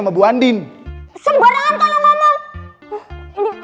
sembarangan kalau ngomong uh udah tetep remit